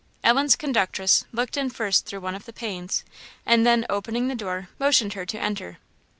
Ellen's conductress looked in first through one of the panes, and then opening the door, motioned her to enter.